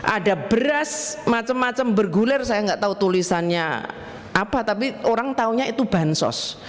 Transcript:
ada beras macam macam bergulir saya nggak tahu tulisannya apa tapi orang tahunya itu bansos